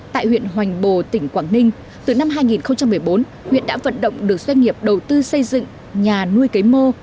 tại huyện hoành bồ tỉnh quảng ninh từ năm hai nghìn một mươi bốn huyện đã vận động được doanh nghiệp đầu tư xây dựng nhà nuôi cấy mô